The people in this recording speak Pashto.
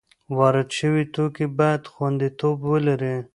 وارد شوي توکي باید خوندیتوب ولري.